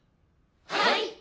はい！